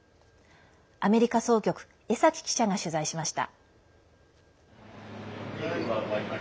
アメリカ総局江崎記者が取材しました。